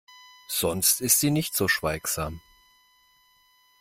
Sonst ist sie nicht so schweigsam.